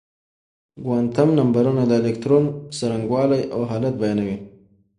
کوانتم نمبرونه د الکترون څرنګوالی او حالت بيانوي.